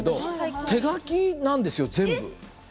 手描きなんですよ、全部。